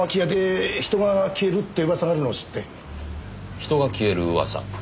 人が消える噂？